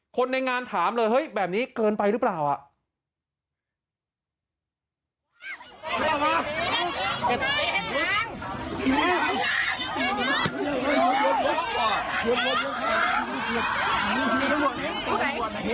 คนในงานถามเลยเฮ้ยแบบนี้เกินไปหรือเปล่าอ่ะ